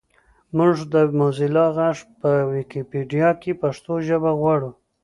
مونږ د موزیلا غږ په ویکیپېډیا کې پښتو ژبه غواړو